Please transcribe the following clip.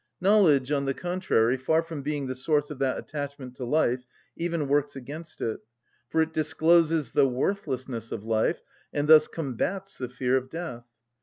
Knowledge, on the contrary, far from being the source of that attachment to life, even works against it, for it discloses the worthlessness of life, and thus combats the fear of death.